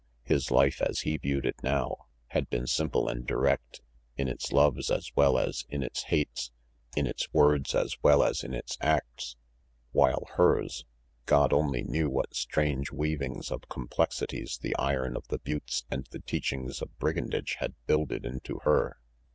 His life, as he viewed it now, had been simple and direct, in its loves as well as in its hates, in its words as well as in its acts. While hers? God only knew what strange weavings of complexities the iron of the buttes and the teachings of brigandage had builded into her.